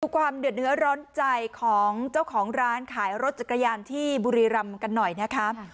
ความเดือดเนื้อร้อนใจของเจ้าของร้านขายรถจักรยานที่บุรีรำกันหน่อยนะคะ